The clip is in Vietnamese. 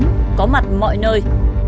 phổ biến có mặt mọi nơi